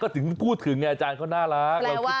ก็ถึงพูดถึงอาจารย์เขาน่ารักเราคิดถึงเธอตลอด